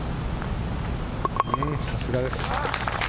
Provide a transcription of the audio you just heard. さすがです。